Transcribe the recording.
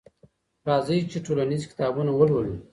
راځئ چي ټولنیز کتابونه ولولو.